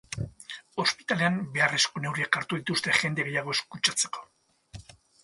Ospitalean beharrezko neurriak hartu dituzte jende gehiago ez kutsatzeko.